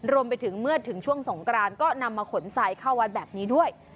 รวมไปถึงเมื่อถึงช่วงสงกรานก็นำมาขนทรายเข้าวัดแบบนี้ด้วย